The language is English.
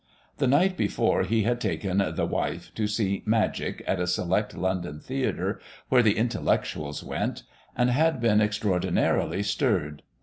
The night before he had taken "the wife" to see Magic at a select London theatre where the Intellectuals went and had been extraordinarily stirred.